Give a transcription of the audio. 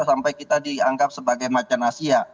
sampai kita dianggap sebagai macan asia